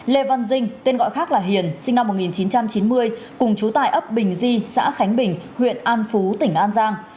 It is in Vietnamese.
lê văn dinh tên gọi khác là hiền sinh năm một nghìn chín trăm chín mươi cùng chú tại ấp bình di xã khánh bình huyện an phú tỉnh an giang